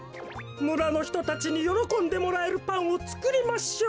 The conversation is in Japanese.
むらのひとたちによろこんでもらえるパンをつくりましょう。